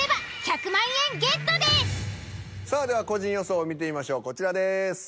さあでは個人予想見てみましょうこちらです。